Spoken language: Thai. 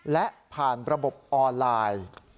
และผ่านระบบออนไลน์